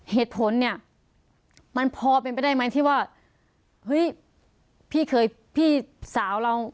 เหตุผลเนี่ยมันพอเป็นไปได้ไหมที่ว่าเฮ้ยพี่เคยพี่สาวเรา